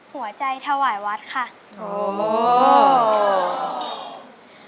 หัวใจถวายวัดค่ะ